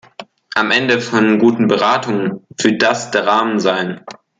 Am Ende von guten Beratungen wird das der Rahmen sein.